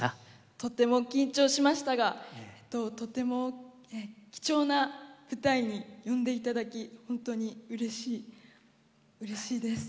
とても緊張しましたがとても貴重な舞台に呼んで頂きホントにうれしいです。